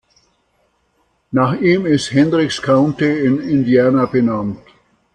Nach ihm ist Hendricks County in Indiana benannt.